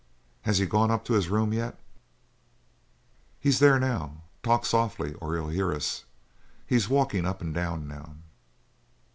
Has he gone up to his room yet?" "He's in there now. Talk softly or he'll hear us. He's walking up and down, now."